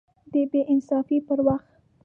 د بې انصافۍ پر وخت